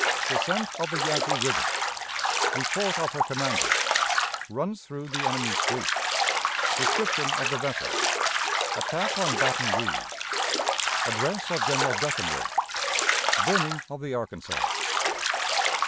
Descent of the Yazoo River. Report of her Commander. Runs through the Enemy's Fleet. Description of the Vessel. Attack on Baton Rouge. Address of General Breckinridge. Burning of the Arkansas.